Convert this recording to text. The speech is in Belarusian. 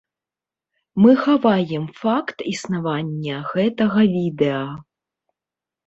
Мы хаваем факт існавання гэтага відэа!